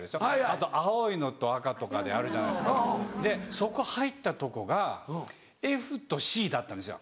あと青いのと赤とかであるじゃないですか。でそこ入ったとこがＦとＣだったんですよ。